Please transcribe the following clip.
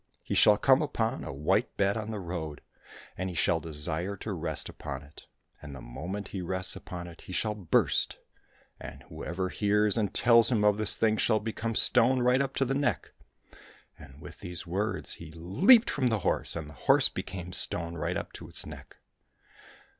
He shall come upon a white bed on the road, and he shall desire to rest upon it, and 52 THE VOICES AT THE WINDOW the moment he rests upon it he shall burst ; and whoever hears and tells him of this thing shall become stone right up to the neck !'" And with these words he leaped from the horse, and the horse became stone right up to its neck.